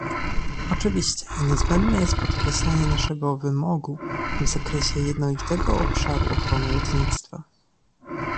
Oczywiście, niezbędne jest podkreślenie naszego wymogu w zakresie jednolitego obszaru ochrony lotnictwa